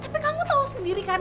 tapi kamu tahu sendiri kan